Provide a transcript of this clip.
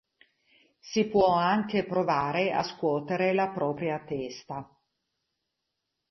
Si può anche provare a scuotere la propria testa.